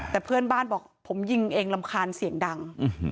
แต่เพื่อนบ้านบอกผมยิงเองรำคาญเสียงดัง